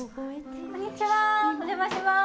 こんにちは、お邪魔します。